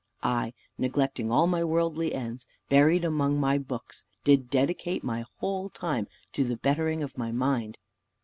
I, neglecting all worldly ends buried among my books, did dedicate my whole time to the bettering of my mind.